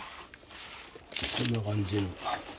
こんな感じ。